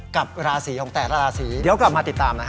กับราศีของแต่ละราศีเดี๋ยวกลับมาติดตาม